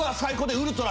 ウルトラ？